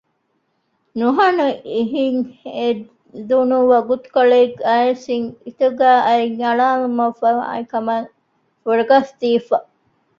ނުހަނު ހިތް އެދުނު ވަގުތުކޮޅެއް އައިސް ހިތުގައި އަތް އަޅާލުމަށްފަހު އެކަމަށް ފުރަގަސްދީފަ